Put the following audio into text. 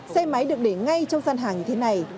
xe máy được để ngay trong gian hàng như thế này